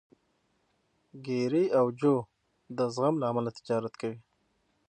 ګېري او جو د زغم له امله تجارت کوي.